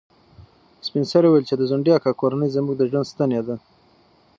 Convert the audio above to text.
سپین سرې وویل چې د ځونډي اکا کورنۍ زموږ د ژوند ستنې دي.